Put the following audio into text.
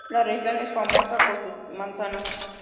La región es famosa por sus manzanas.